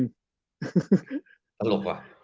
สลดว่ะ